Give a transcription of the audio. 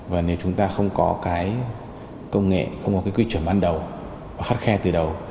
và nếu chúng ta không có cái công nghệ không có cái quy chuẩn ban đầu và khắt khe từ đầu